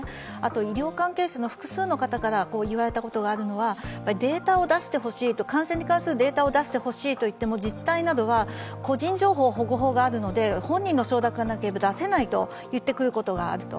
医療関係者の複数の方から言われたことがあるのは感染に関するデータを出してほしいと言われても自治体などは個人情報保護法があるので本人の承諾がなければ出せないと言ってくることがあると。